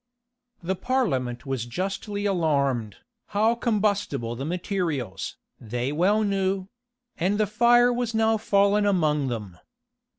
The parliament was justly alarmed. How combustible the materials, they well knew; and the fire was now fallen among them.